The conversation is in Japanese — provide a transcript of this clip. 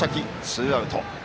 ツーアウト。